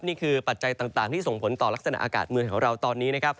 นี่คือปัจจัยต่างที่ส่งผลต่อลักษณะอากาศเมืองของเราตอนนี้